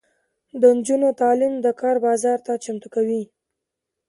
د نجونو تعلیم د کار بازار ته چمتو کوي.